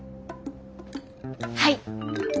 はい。